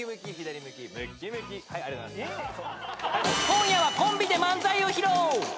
［今夜はコンビで漫才を披露］